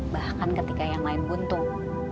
bahkan ketika yang lain buntung